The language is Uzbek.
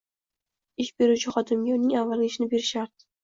ish beruvchi xodimga uning avvalgi ishini berishi shart.